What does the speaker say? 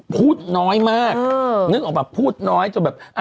พูดน้อยมากนึกออกแบบพูดน้อยจนแบบ